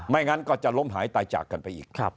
งั้นก็จะล้มหายตายจากกันไปอีก